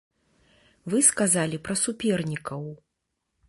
Вы сказалі пра супернікаў.